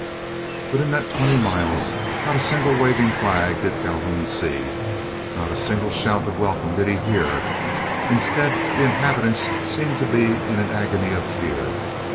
But in that twenty miles not a single waving flag did Calhoun see, not a single shout of welcome did he hear. Instead, the inhabitants seemed to be in an agony of fear.